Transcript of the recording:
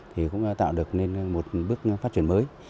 thì cũng tạo được nên một bước phát triển mới